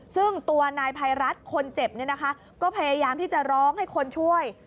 ซึ่งตัวนายภัยรัฐคนเจ็บเนี่ยนะคะก็พยายามที่จะร้องให้คนช่วย